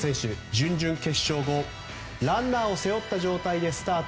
準々決勝後ランナーを背負った状態でスタート